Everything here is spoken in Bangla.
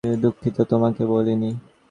দুঃখিত, তোমাকে বলিনি।